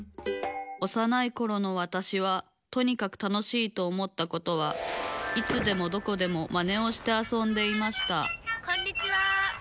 おさないころのわたしはとにかく楽しいと思ったことはいつでもどこでもマネをしてあそんでいましたこんにちは。